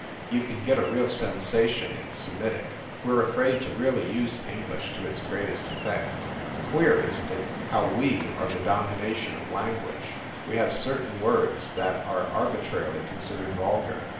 You can get a real sensation in Semetic we re afraid to really use English to its greatest ef fect. Queer, isn t it, how we are the domination of language? We have certain words that are arbi trarily considered vulgar.